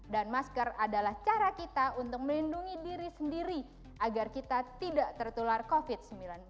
dan masker adalah cara kita untuk melindungi diri sendiri agar kita tidak tertular covid sembilan belas